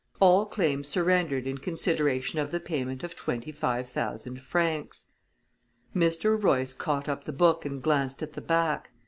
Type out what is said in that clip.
All claim surrendered in consideration of the payment of 25,000 francs." Mr. Royce caught up the book and glanced at the back.